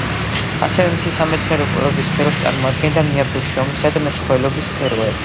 ასევე მისი სამეცნიერო კვლევების სფეროს წარმოადგენდა მეაბრეშუმეობის და მეცხოველეობის სფეროები.